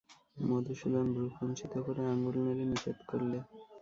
মধুসূদন ভ্রূকুঞ্চিত করে আঙুল নেড়ে নিষেধ করলে।